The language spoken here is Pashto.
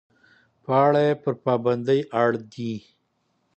په اړه یې پر پابندۍ اړ دي.